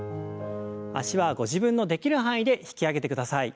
脚はご自分のできる範囲で引き上げてください。